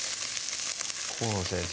河野先生